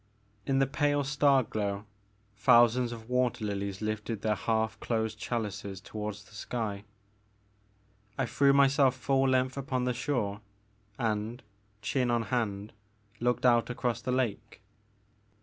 In the pale star glow thousands of water lilies lifted their half closed chalices toward the sky. I threw myself full length upon the shore, and, chin on hand, looked out across the lake.